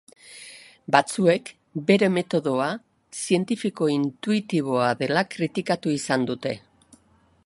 Batzuek bere metodoa zientifiko-intuitiboa dela kritikatu izan dute.